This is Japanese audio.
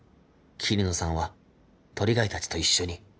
桐野さんは鳥貝たちと一緒に